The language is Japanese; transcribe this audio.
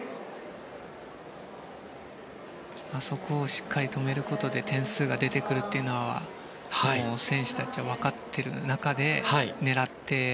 そこをしっかり止めることで点数が出てくるというのは選手たちは分かっている中で狙って。